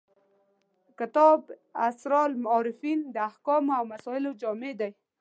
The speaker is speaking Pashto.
کتاب اسرار العارفین د احکامو او مسایلو جامع دی.